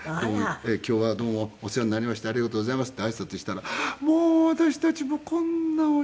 「今日はどうもお世話になりましてありがとうございます」って挨拶したら「もう私たちもこんな面白いの久しぶりで」。